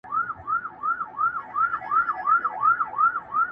o زه د سر په بدله ترې بوسه غواړم.